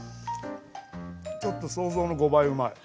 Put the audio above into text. ちょっと想像の５倍うまい。